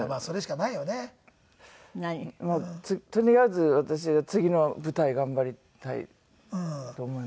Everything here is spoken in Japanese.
とりあえず私は次の舞台頑張りたいと思います。